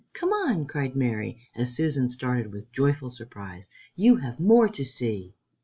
come on!" cried Mary, as Susan started with joyful surprise; "you have more to see."